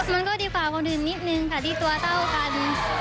มันก็ดีกว่าคนอื่นนิดนึงค่ะดีกว่าเต้าคัน